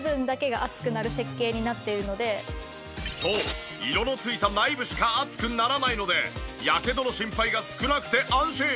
このそう色の付いた内部しか熱くならないのでヤケドの心配が少なくて安心。